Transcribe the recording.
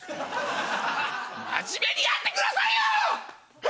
真面目にやってくださいよ！